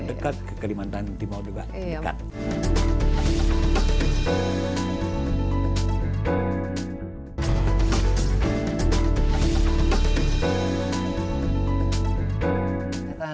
dekat ke kalimantan timur juga dekat